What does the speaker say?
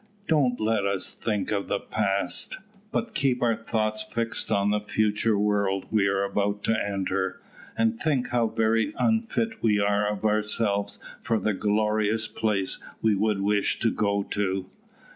"Don't let us think of the past, but keep our thoughts fixed on the future world we are about to enter, and think how very unfit we are of ourselves for the glorious place we would wish to go to."